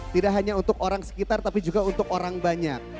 tidak hanya untuk orang sekitar tapi juga untuk orang banyak